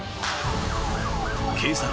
［警察。